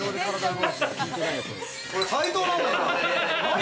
これ、斉藤なんだから！